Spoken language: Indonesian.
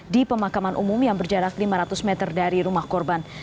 di pemakaman umum yang berjarak lima ratus meter dari rumah korban